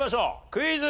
クイズ。